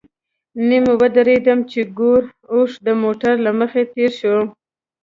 نیم ودرېدم چې ګورم اوښ د موټر له مخې تېر شو.